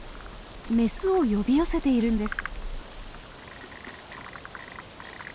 メスを呼び寄せているんです。